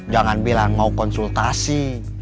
jangan bilang mau konsultasi